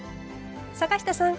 坂下さん